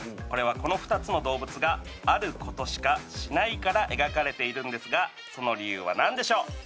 これはこの２つの動物があることしかしないから描かれているんですがその理由は何でしょう？